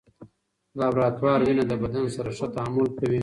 لابراتوار وینه د بدن سره ښه تعامل کوي.